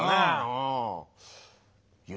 うん。